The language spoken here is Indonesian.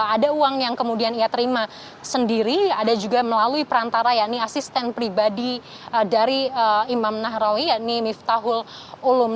ada uang yang kemudian ia terima sendiri ada juga melalui perantara yakni asisten pribadi dari imam nahrawi yakni miftahul ulum